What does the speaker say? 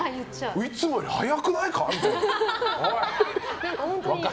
いつもより早くないか？とか。